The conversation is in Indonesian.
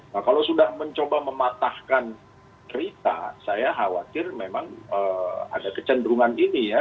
nah kalau sudah mencoba mematahkan cerita saya khawatir memang ada kecenderungan ini ya